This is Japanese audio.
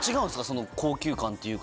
その高級感っていうか。